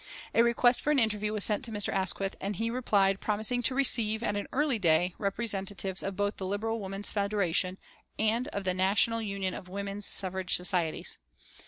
A request for an interview was sent to Mr. Asquith, and he replied promising to receive, at an early day, representatives of both the Liberal Women's Federation and of the National Union of Women's Suffrage Societies.